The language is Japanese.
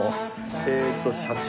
えーっと社長